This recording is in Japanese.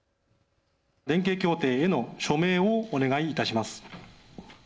連携協定への署名をお願いいたします。